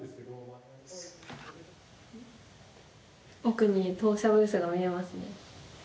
奥に当社ブースが見えますね。